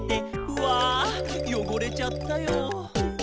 「うぁよごれちゃったよ」